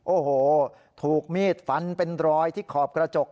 โอ้โหถูกมีดฟันเป็นรอยที่ขอบกระจก